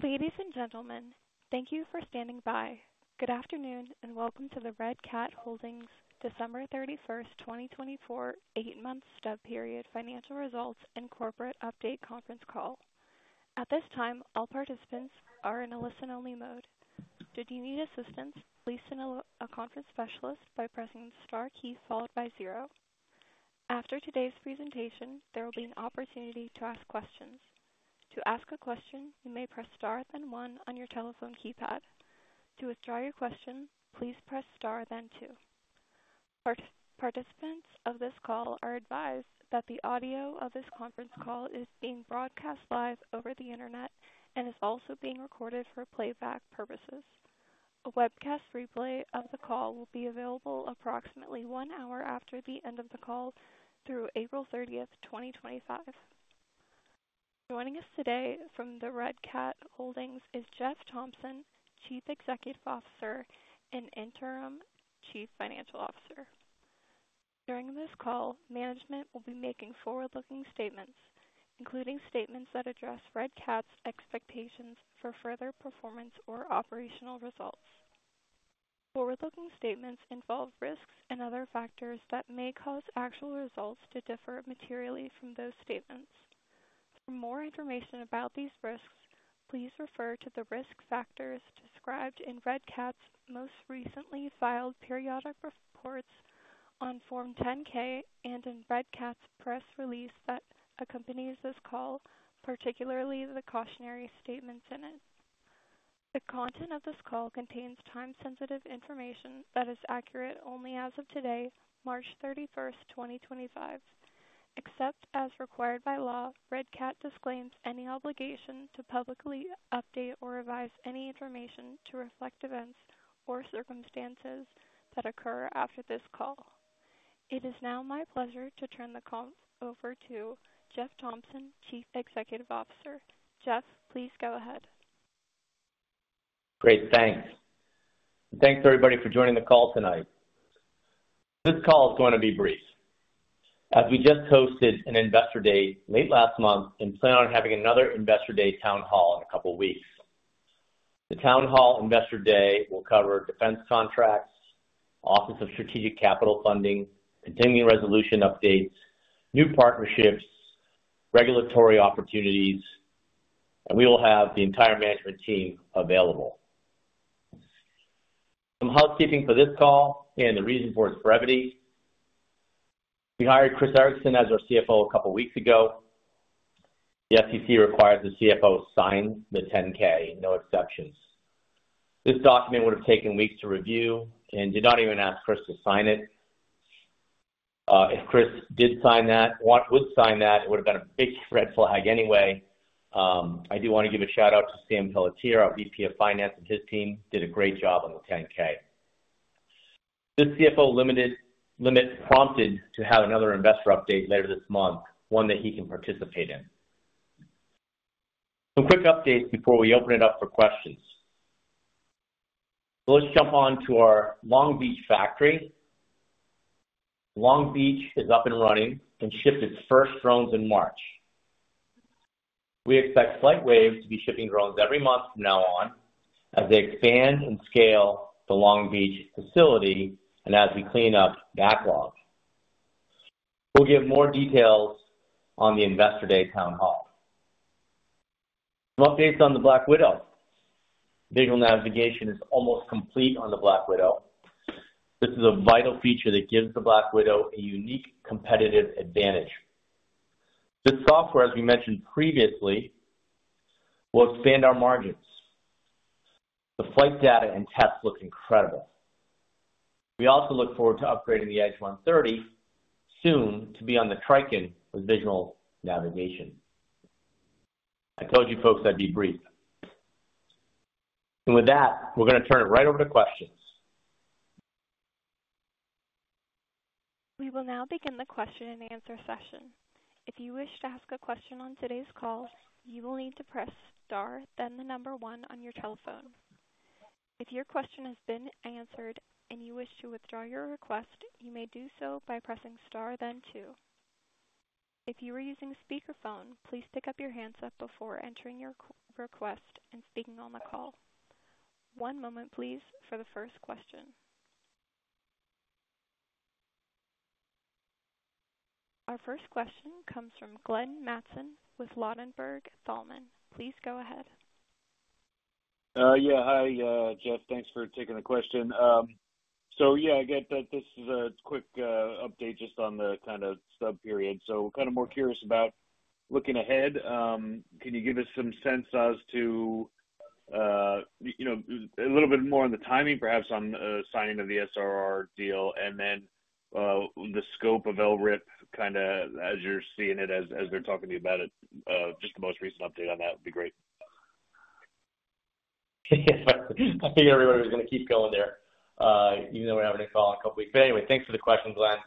Ladies and gentlemen, thank you for standing by. Good afternoon and welcome to the Red Cat Holdings December 31, 2024, Eight-month Sub-period Financial Results and Corporate Update Conference Call. At this time, all participants are in a listen-only mode. Should you need assistance, please send a conference specialist by pressing the star key followed by zero. After today's presentation, there will be an opportunity to ask questions. To ask a question, you may press star then one on your telephone keypad. To withdraw your question, please press star then two. Participants of this call are advised that the audio of this conference call is being broadcast live over the internet and is also being recorded for playback purposes. A webcast replay of the call will be available approximately one hour after the end of the call through April 30, 2025. Joining us today from Red Cat Holdings is Jeff Thompson, Chief Executive Officer and Interim Chief Financial Officer. During this call, management will be making forward-looking statements, including statements that address Red Cat's expectations for further performance or operational results. Forward-looking statements involve risks and other factors that may cause actual results to differ materially from those statements. For more information about these risks, please refer to the risk factors described in Red Cat's most recently filed periodic reports on Form 10-K and in Red Cat's press release that accompanies this call, particularly the cautionary statements in it. The content of this call contains time-sensitive information that is accurate only as of today, March 31, 2025. Except as required by law, Red Cat disclaims any obligation to publicly update or revise any information to reflect events or circumstances that occur after this call. It is now my pleasure to turn the call over to Jeff Thompson, Chief Executive Officer. Jeff, please go ahead. Great. Thanks. Thanks, everybody, for joining the call tonight. This call is going to be brief. As we just hosted an Investor Day late last month and plan on having another Investor Day town hall in a couple of weeks. The town hall Investor Day will cover defense contracts, Office of Strategic Capital Funding, continuing resolution updates, new partnerships, regulatory opportunities, and we will have the entire management team available. Some housekeeping for this call and the reason for its brevity. We hired Chris Ericson as our CFO a couple of weeks ago. The SEC requires the CFO sign the 10-K, no exceptions. This document would have taken weeks to review and did not even ask Chris to sign it. If Chris did sign that, would sign that, it would have been a big red flag anyway. I do want to give a shout-out to Sam Pelletier, our VP of Finance, and his team did a great job on the 10-K. This CFO prompted to have another investor update later this month, one that he can participate in. Some quick updates before we open it up for questions. Let's jump on to our Long Beach factory. Long Beach is up and running and shipped its first drones in March. We expect FlightWave to be shipping drones every month from now on as they expand and scale the Long Beach facility and as we clean up backlog. We'll give more details on the Investor Day town hall. Some updates on the Black Widow. Visual navigation is almost complete on the Black Widow. This is a vital feature that gives the Black Widow a unique competitive advantage. This software, as we mentioned previously, will expand our margins. The flight data and tests look incredible. We also look forward to upgrading the Edge 130 soon to be on the Triton with visual navigation. I told you folks I'd be brief. With that, we're going to turn it right over to questions. We will now begin the question-and-answer session. If you wish to ask a question on today's call, you will need to press star, then the number one on your telephone. If your question has been answered and you wish to withdraw your request, you may do so by pressing star, then two. If you are using speakerphone, please pick up your handset before entering your request and speaking on the call. One moment, please, for the first question. Our first question comes from Glenn Mattson with Ladenburg Thalmann. Please go ahead. Yeah. Hi, Jeff. Thanks for taking the question. I get that this is a quick update just on the kind of sub-period. Kind of more curious about looking ahead. Can you give us some sense as to a little bit more on the timing, perhaps on signing of the SRR deal, and then the scope of LRIP kind of as you're seeing it as they're talking to you about it? Just the most recent update on that would be great. I figure everybody was going to keep going there even though we're having a call in a couple of weeks. Anyway, thanks for the question, Glenn.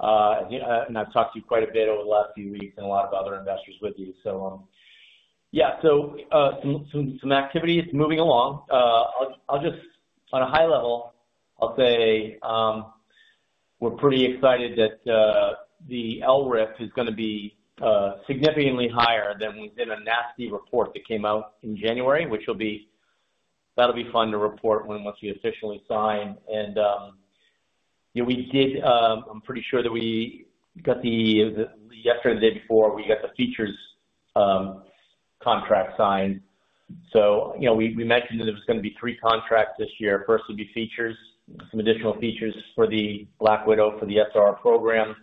I've talked to you quite a bit over the last few weeks and a lot of other investors with you. Yeah, some activity is moving along. On a high level, I'll say we're pretty excited that the LRIP is going to be significantly higher than we did a nasty report that came out in January, which that'll be fun to report once we officially sign. I'm pretty sure that we got the yesterday, the day before, we got the features contract signed. We mentioned that there was going to be three contracts this year. First would be features, some additional features for the Black Widow for the SRR program.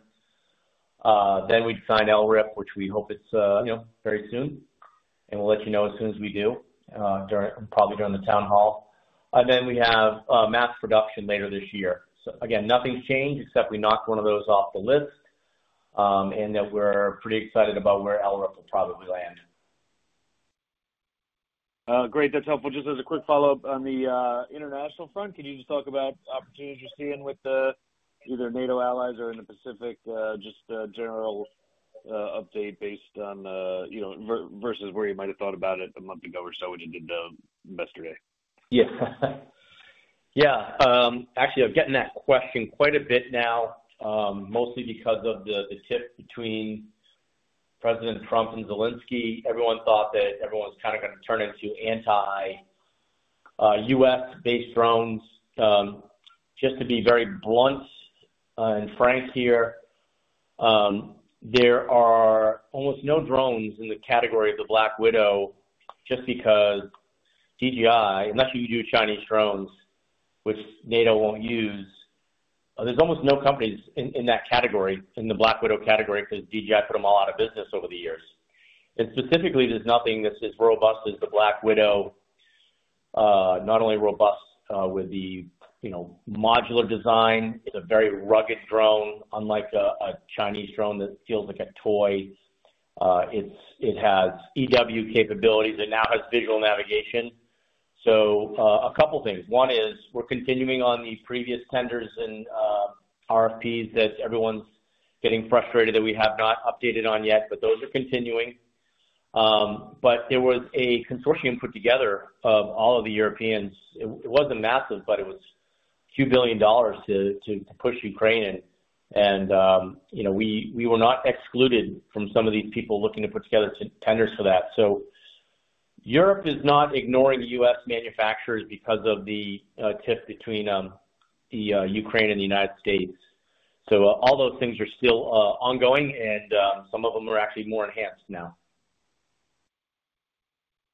We would sign LRIP, which we hope is very soon. We will let you know as soon as we do, probably during the town hall. We have mass production later this year. Again, nothing has changed except we knocked one of those off the list and we are pretty excited about where LRIP will probably land. Great. That's helpful. Just as a quick follow-up on the international front, can you just talk about opportunities you're seeing with either NATO allies or in the Pacific? Just a general update based on versus where you might have thought about it a month ago or so when you did the Investor Day. Yeah. Yeah. Actually, I'm getting that question quite a bit now, mostly because of the tiff between President Trump and Zelensky. Everyone thought that everyone's kind of going to turn into anti-U.S.-based drones. Just to be very blunt and frank here, there are almost no drones in the category of the Black Widow just because DJI, unless you do Chinese drones, which NATO won't use, there's almost no companies in that category, in the Black Widow category, because DJI put them all out of business over the years. Specifically, there's nothing that's as robust as the Black Widow, not only robust with the modular design, it's a very rugged drone, unlike a Chinese drone that feels like a toy. It has EW capabilities. It now has visual navigation. A couple of things. One is we're continuing on the previous tenders and RFPs that everyone's getting frustrated that we have not updated on yet, but those are continuing. There was a consortium put together of all of the Europeans. It wasn't massive, but it was $2 billion to push Ukraine. We were not excluded from some of these people looking to put together tenders for that. Europe is not ignoring U.S. manufacturers because of the tip between Ukraine and the United States. All those things are still ongoing, and some of them are actually more enhanced now.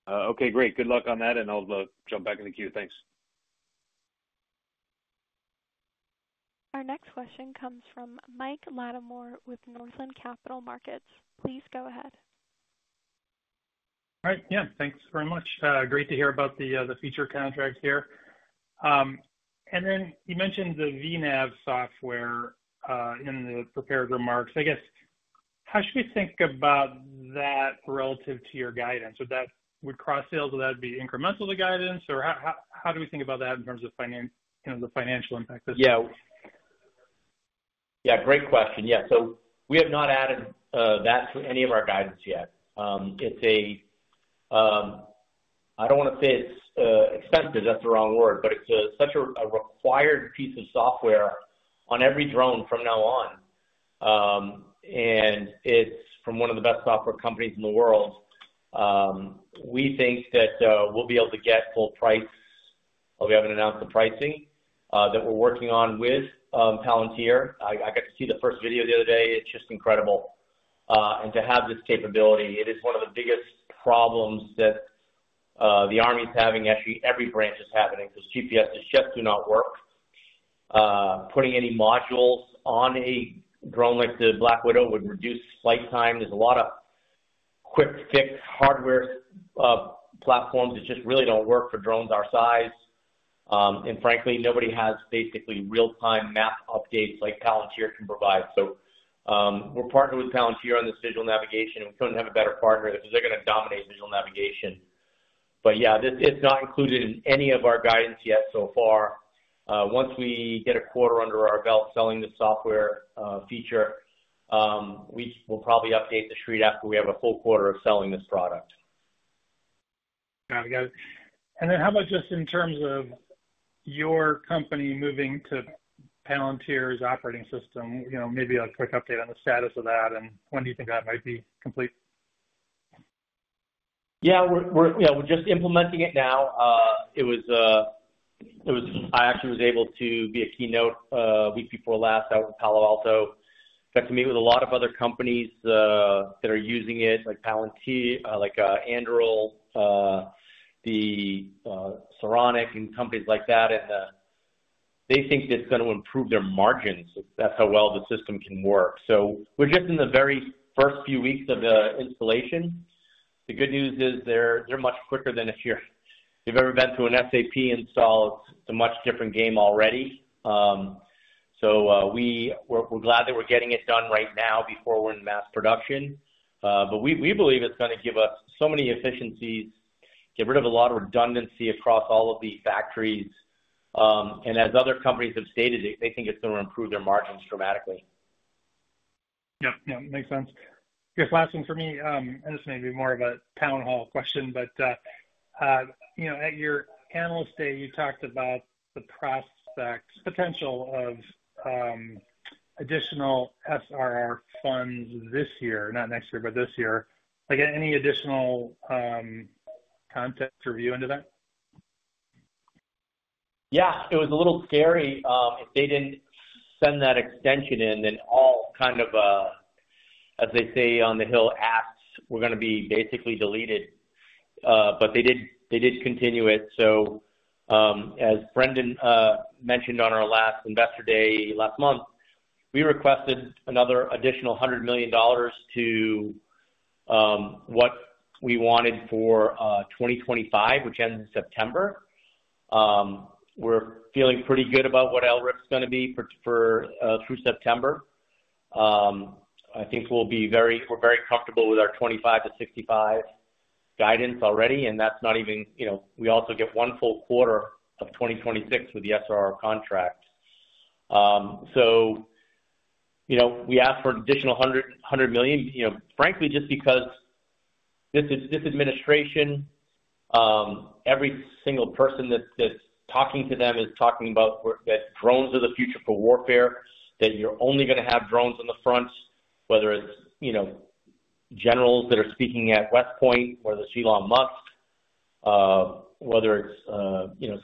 Okay. Great. Good luck on that, and I'll jump back in the queue. Thanks. Our next question comes from Mike Latimore with Northland Capital Markets. Please go ahead. All right. Yeah. Thanks very much. Great to hear about the future contracts here. You mentioned the VNav software in the prepared remarks. I guess, how should we think about that relative to your guidance? Would cross-sales, would that be incremental to guidance, or how do we think about that in terms of the financial impact? Yeah. Yeah. Great question. Yeah. We have not added that to any of our guidance yet. I do not want to say it is expensive. That is the wrong word, but it is such a required piece of software on every drone from now on. It is from one of the best software companies in the world. We think that we will be able to get full price. We have not announced the pricing that we are working on with Palantir. I got to see the first video the other day. It is just incredible. To have this capability, it is one of the biggest problems that the army is having. Actually, every branch is having it because GPSs just do not work. Putting any modules on a drone like the Black Widow would reduce flight time. There are a lot of quick-fix hardware platforms that just really do not work for drones our size. Frankly, nobody has basically real-time map updates like Palantir can provide. We are partnered with Palantir on this visual navigation, and we could not have a better partner because they are going to dominate visual navigation. Yeah, it is not included in any of our guidance yet so far. Once we get a quarter under our belt selling the software feature, we will probably update the street after we have a full quarter of selling this product. Got it. Got it. How about just in terms of your company moving to Palantir's operating system? Maybe a quick update on the status of that, and when do you think that might be complete? Yeah. We're just implementing it now. I actually was able to be a keynote a week before last out in Palo Alto. Got to meet with a lot of other companies that are using it, like Palantir, like Anduril, the Saronic, and companies like that. They think it's going to improve their margins if that's how well the system can work. We're just in the very first few weeks of the installation. The good news is they're much quicker than if you've ever been to an SAP install. It's a much different game already. We're glad that we're getting it done right now before we're in mass production. We believe it's going to give us so many efficiencies, get rid of a lot of redundancy across all of the factories. As other companies have stated, they think it's going to improve their margins dramatically. Yeah. Yeah. Makes sense. Just last one for me. This may be more of a town hall question, but at your analyst day, you talked about the prospects, potential of additional SRR funds this year, not next year, but this year. Any additional context or view into that? Yeah. It was a little scary. If they didn't send that extension in, then all kind of, as they say on the Hill, approps were going to be basically deleted. They did continue it. As Brendan mentioned on our last Investor Day last month, we requested another additional $100 million to what we wanted for 2025, which ends in September. We're feeling pretty good about what LRIP's going to be for through September. I think we're very comfortable with our 25-65 guidance already, and that's not even we also get one full quarter of 2026 with the SRR contract. We asked for an additional $100 million, frankly, just because this administration, every single person that's talking to them is talking about that drones are the future for warfare, that you're only going to have drones on the front, whether it's generals that are speaking at West Point, whether it's Elon Musk, whether it's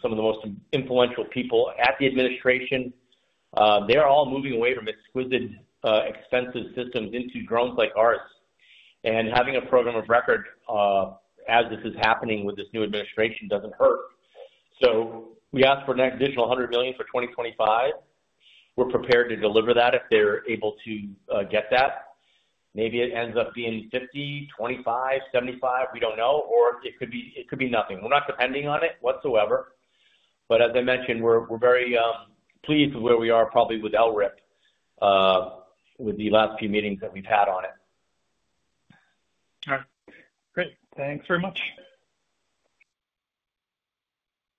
some of the most influential people at the administration. They're all moving away from exquisite, expensive systems into drones like ours. Having a program of record as this is happening with this new administration doesn't hurt. We asked for an additional $100 million for 2025. We're prepared to deliver that if they're able to get that. Maybe it ends up being $50 million, $25 million, $75 million. We don't know. Or it could be nothing. We're not depending on it whatsoever. As I mentioned, we're very pleased with where we are, probably with LRIP, with the last few meetings that we've had on it. All right. Great. Thanks very much.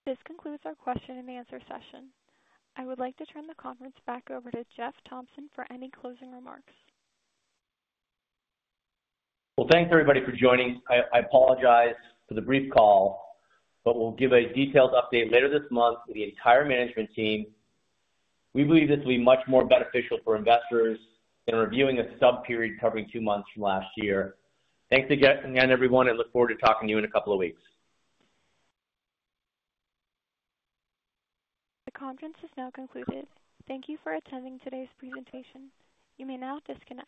This concludes our question-and-answer session. I would like to turn the conference back over to Jeff Thompson for any closing remarks. Thanks, everybody, for joining. I apologize for the brief call, but we'll give a detailed update later this month to the entire management team. We believe this will be much more beneficial for investors in reviewing a sub-period covering two months from last year. Thanks again, everyone, and look forward to talking to you in a couple of weeks. The conference is now concluded. Thank you for attending today's presentation. You may now disconnect.